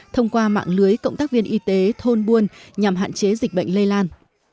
thông qua mạng lưới cộng tác viên y tế thôn buôn nhằm hạn chế dịch bệnh lây lan